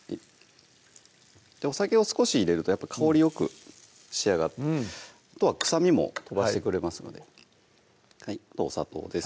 お酒を少し入れるとやっぱ香りよく仕上がってあとは臭みも飛ばしてくれますのでお砂糖です